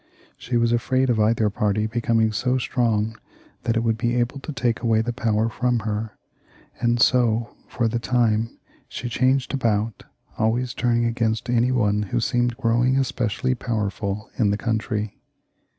She was afraid of either party becoming so strong that it would be able to take away the power fix)m her, and so, for the time, she changed about, always turning against any one who seemed growing specially powerful in the country.